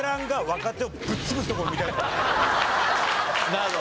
なるほど。